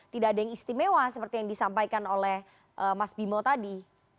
tidak ada yang istimewa seperti yang disampaikan oleh mas bimo tadi